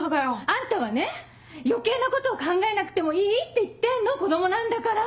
あんたはね余計なことを考えなくてもいいって言ってんの子供なんだから！